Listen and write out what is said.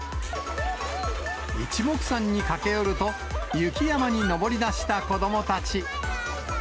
いちもくさんに駆け寄ると、雪山に登りだした子どもたち。